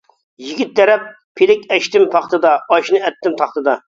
يىگىت تەرەپ: پىلىك ئەشتىم پاختىدا، ئاشنى ئەتتىم تاختىدا.